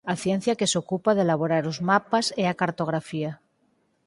A ciencia que se ocupa de elaborar os mapas é a cartografía.